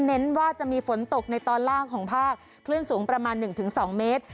เน้นว่าจะมีฝนตกในตอนล่างของภาคคลื่นสูงประมาณ๑๒เมตร